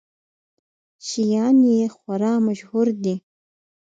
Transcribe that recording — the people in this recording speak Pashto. شیان یې خورا مشهور دي.